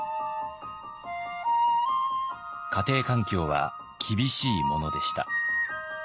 家庭環境は厳しいものでした。